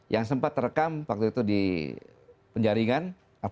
yang sempat terekam waktu itu di penjaringan